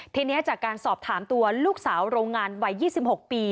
ทีนี้จากการสอบถามตัวลูกสาวโรงงานวัย๒๖ปี